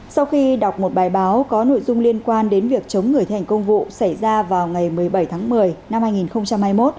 sau khi đọc một bài báo có nội dung liên quan đến việc chống người thi hành công vụ xảy ra vào ngày một mươi bảy tháng một mươi năm hai nghìn hai mươi một